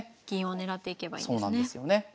銀を狙っていけばいいんですね。